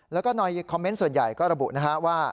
แล้วก็ในคอมเมนต์ส่วนใหญ่ก็ระบุนะฮะว่า